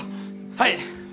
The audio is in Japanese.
はい！